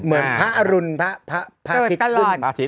เหมือนพระอรุณพระพระศิษย์